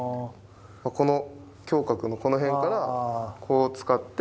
この胸郭のこの辺からこう使って。